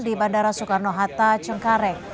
dari bandara soekarno hatta cengkare